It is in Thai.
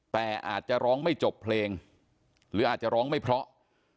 แต่อาจจะร้องไม่จบเพลงหรืออาจจะร้องไม่เพราะ